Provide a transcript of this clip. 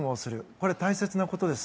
これは大切なことです。